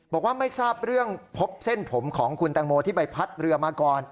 บอกว่าไม่ทราบเรื่องพบเส้นผมของคุณแตงโมที่ใบพัดเรือมาก่อน